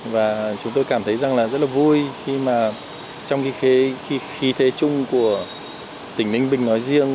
và chúng tôi cảm thấy rằng là rất là vui khi mà trong khi khí thế chung của tỉnh ninh bình nói riêng